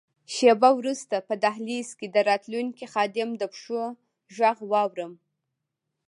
شیبه وروسته په دهلېز کې د راتلونکي خادم د پښو ږغ واورم.